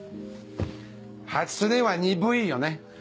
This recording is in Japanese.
初音は鈍いよね